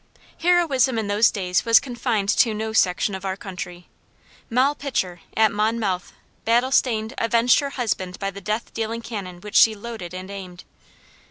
Heroism in those days was confined to no section of our country. Moll Pitcher, at Monmouth, battle stained, avenged her husband by the death dealing cannon which she loaded and aimed.